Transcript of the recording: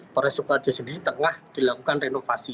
polres sukarjo sendiri tengah dilakukan renovasi